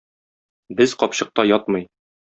Без капчыкта ятмый.